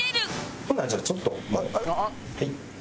ほんならじゃあちょっとはい。